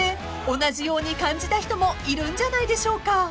同じように感じた人もいるんじゃないでしょうか］